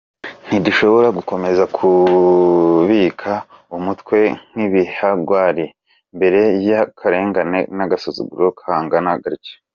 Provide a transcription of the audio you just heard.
Ntidushobora gukomeza kubika umutwe nk’ibihwagari imbere y ’ akarengane n ‘ Agasuzuguro kangana gatya.